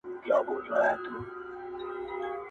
اړولي يې پيسې وې تر ملكونو--!